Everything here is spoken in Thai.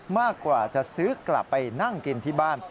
มากกว่าจะซื้อกลับไปนั่งกินที่บ้าน